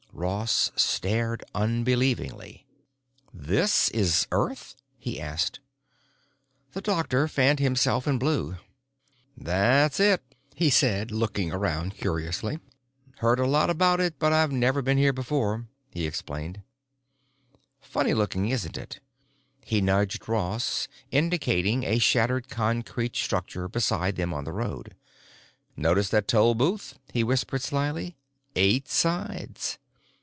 Ross stared unbelievingly. "This is Earth?" he asked. The doctor fanned himself and blew. "That's it," he said, looking around curiously. "Heard a lot about it, but I've never been here before," he explained. "Funny looking, isn't it?" He nudged Ross, indicating a shattered concrete structure beside them on the road. "Notice that toll booth?" he whispered slyly. "Eight sides!"